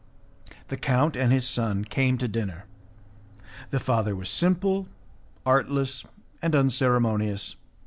The count and his son came to dinner. The father was simple, artless, and unceremonious.